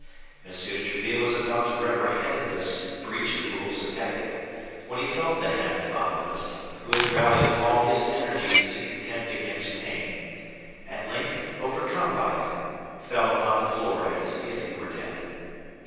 M. de Tréville was about to reprehend this breach of the rules of etiquette, when he felt the hand of Athos, who had rallied all his energies to contend against pain, at length overcome by it, fell upon the floor as if he were dead.